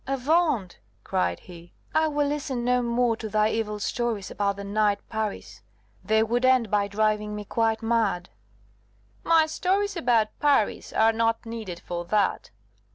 "Avaunt!" cried he, "I will listen no more to thy evil stories about the knight Paris: they would end by driving me quite mad." "My stories about Paris are not needed for that!"